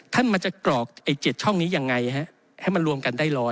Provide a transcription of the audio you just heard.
ท่านจะกรอก๗ช่องนี้อย่างไรให้มันรวมกันได้๑๐๐